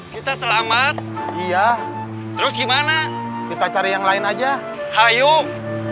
kita selamat iya terus gimana kita cari yang lain aja hayum